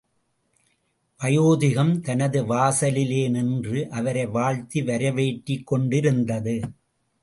வயோதிகம் தனது வாசலிலே நின்று அவரை வாழ்த்தி வரவேற்றுக் கொண்டிருந்தது.